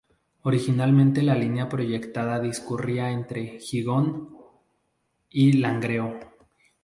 Originalmente la línea proyectada discurría entre Gijón y Langreo.